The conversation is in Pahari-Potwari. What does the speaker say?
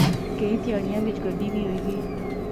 کی تہاڑیاں وچ گڈی وی ہوئی گئی